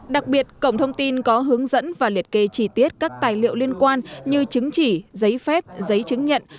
đặc biệt cổng thông tin có hướng dẫn và liệt kê chi tiết các tài liệu liên quan như chứng chỉ giấy phép giấy chứng nhận